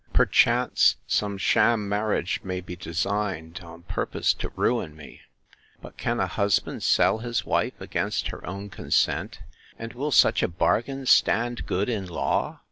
Perchance, some sham marriage may be designed, on purpose to ruin me; But can a husband sell his wife against her own consent?—And will such a bargain stand good in law?